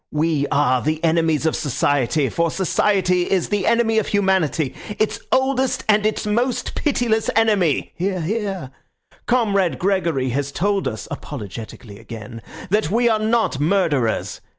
We are the enemies of society, for society is the enemy of humanity, its oldest and its most pitiless enemy (hear, hear). Comrade Gregory has told us (apologetically again) that we are not murderers.